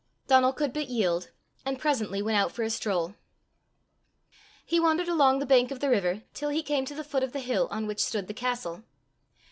Donal could but yield, and presently went out for a stroll. He wandered along the bank of the river till he came to the foot of the hill on which stood the castle.